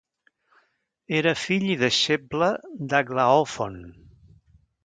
Era fill i deixeble d'Aglaòfon.